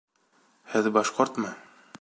Һеҙ башҡортмо?